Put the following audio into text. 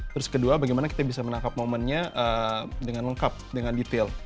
terus kedua bagaimana kita bisa menangkap momennya dengan lengkap dengan detail